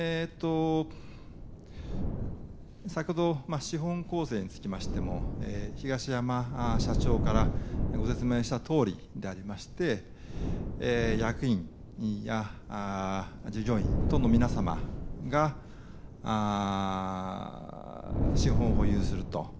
先ほど資本構成につきましても、東山社長からご説明したとおりでありまして、役員や従業員等の皆様が資本を保有すると。